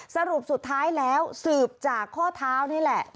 สรุปสุดท้ายแล้วสืบจากข้อเท้านี่แหละ